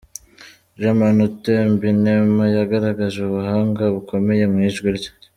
Germaine Utembinema yagaragaje ubuhanga bukomeye mu ijwi rye.